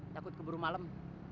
takut keburu malem